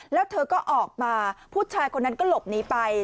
แล้วเธอก็ออกมาผู้ชายคนนั้นก็หลบหนีไป